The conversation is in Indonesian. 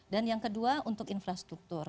dan yang kedua untuk infrastruktur